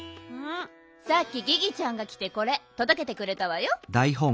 さっきギギちゃんがきてこれとどけてくれたわよ。